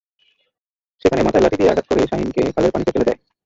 সেখানে মাথায় লাঠি দিয়ে আঘাত করে শাহীনকে খালের পানিতে ফেলে দেয়।